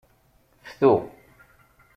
Ftu.